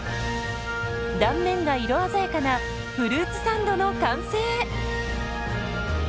断面が色鮮やかなフルーツサンドの完成。